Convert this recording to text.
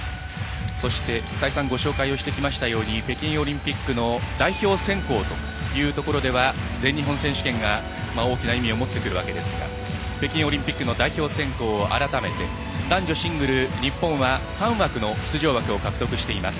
そして、再三ご紹介をしてきましたように北京オリンピックの代表選考というところでは全日本選手権が大きな意味を持ってくるわけですが北京オリンピックの代表選考を改めて、男女シングル、日本は３枠の出場枠を獲得しています。